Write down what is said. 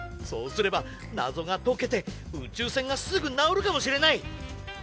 そうすればなぞがとけてうちゅうせんがすぐなおるかもしれない。